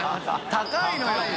高いのよ！